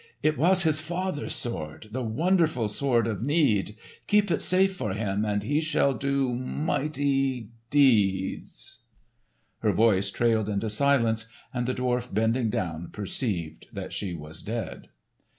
"It was his father's sword—the wonderful Sword of Need. Keep it safe for him and he shall do—mighty—deeds——" Her voice trailed into silence, and the dwarf bending down perceived that she was dead.